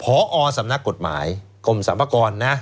พอสำนักกฎหมายกรมสรรพากรนะ